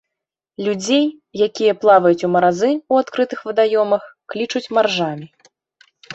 Людзей, якія плаваюць у маразы у адкрытых вадаёмах, клічуць маржамі.